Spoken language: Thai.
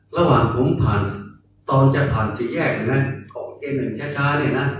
ระหว่างผมตอนจะผ่านสีแยกของเกียรติหนึ่งช้า